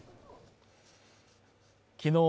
きのう